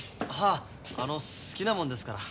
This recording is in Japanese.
ああの好きなもんですから。